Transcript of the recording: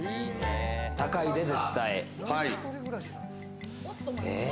高いで、絶対。